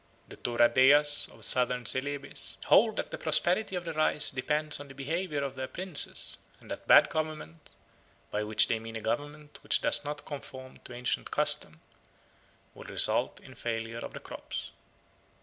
The Toorateyas of Southern Celebes hold that the prosperity of the rice depends on the behaviour of their princes, and that bad government, by which they mean a government which does not conform to ancient custom, will result in a failure of the crops.